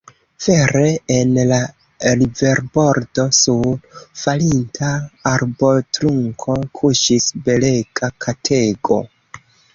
Vere, en la riverbordo, sur falinta arbotrunko kuŝis belega katego.